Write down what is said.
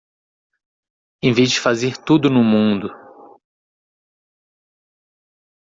Em vez de fazer tudo no mundo